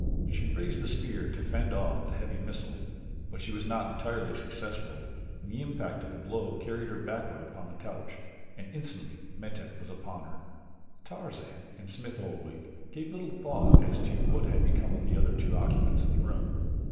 She raised the spear to fend off the heavy missile, but she was not entirely successful, and the impact of the blow carried her backward upon the couch, and instantly Metak was upon her. Tarzan and Smith Oldwick gave little thought as to what had become of the other two occupants of the room.